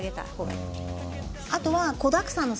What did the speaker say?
あとは。